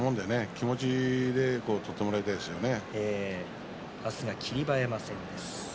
気持ちで取ってもらいたいですね。